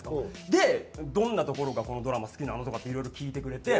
で「どんなところがこのドラマ好きなの？」とかっていろいろ聞いてくれて。